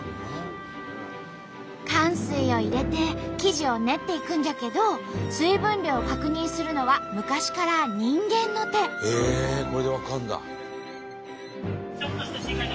かん水を入れて生地を練っていくんじゃけど水分量を確認するのは昔からこれで分かるんだ！